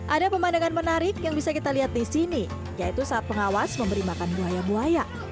ada pemandangan menarik yang bisa kita lihat di sini yaitu saat pengawas memberi makan buaya buaya